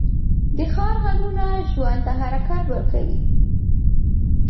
د ښار غږونه ژوند ته حرکت ورکوي